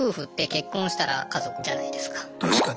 確かに。